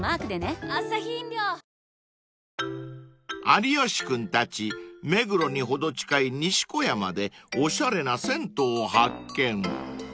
［有吉君たち目黒に程近い西小山でおしゃれな銭湯を発見］